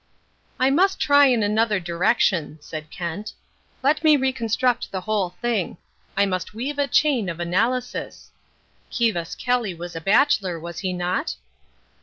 "I must try in another direction," said Kent. "Let me reconstruct the whole thing. I must weave a chain of analysis. Kivas Kelly was a bachelor, was he not?"